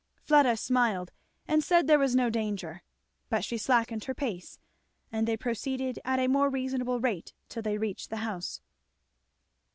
Fleda smiled and said there was no danger, but she slackened her pace, and they proceeded at a more reasonable rate till they reached the house.